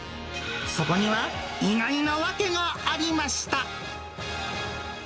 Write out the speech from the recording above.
そこには、意外な訳がありました。